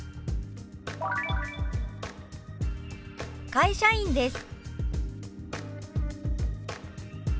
「会社員です」。